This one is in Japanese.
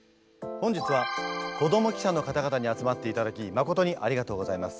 本日は子ども記者の方々に集まっていただきまことにありがとうございます。